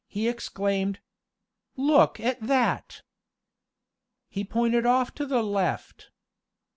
he exclaimed. "Look at that!" He pointed off to the left.